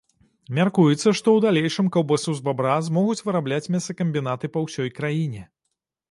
Мяркуецца, што ў далейшым каўбасу з бабра змогуць вырабляць мясакамбінаты па ўсёй краіне.